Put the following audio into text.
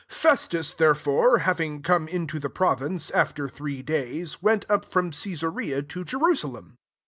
1 Festus, there fore, having come into the pro vince, after three days, went up from Caesarea to Jerusalem.